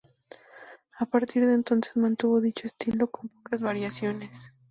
A partir de entonces mantuvo dicho estilo con pocas variaciones.